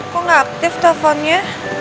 kok nggak aktif teleponnya